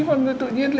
mọi người tự nhiên